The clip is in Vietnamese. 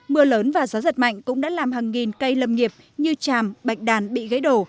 mưa lớn và gió giật mạnh cũng đã làm hàng nghìn cây lâm nghiệp như tràm bạch đàn bị gãy đổ